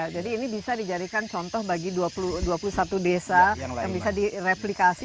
jadi ini bisa dijadikan contoh bagi dua puluh satu desa yang bisa direplikasi